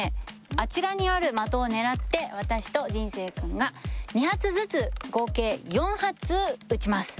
あちらにある的を狙って私と仁成くんが２発ずつ合計４発撃ちます